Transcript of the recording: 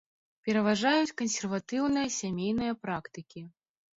Пераважаюць кансерватыўныя сямейныя практыкі.